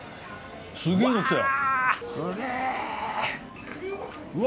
すげえの来たよ。